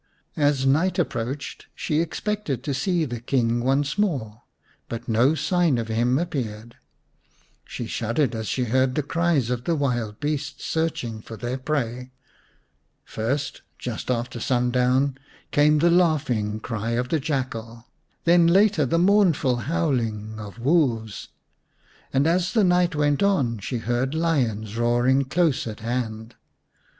As night approached she expected to see the King once more, but no sign of him appeared. She shuddered as she heard the cries of the wild beasts searching for their prey. First, just after sundown, came the laughing cry of the jackal ; then later the mournful howling of wolves ; and as the night went on she heard lions roaring close at hand.